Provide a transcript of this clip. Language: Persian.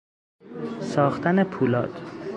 ساختن پولاد